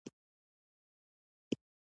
پېرودونکی پلورونکي ته خپلې پیسې بېرته ورکوي